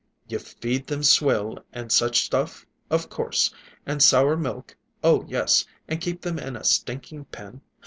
"You feed them swill and such stuff? Of course! And sour milk? Oh, yes! And keep them in a stinking pen?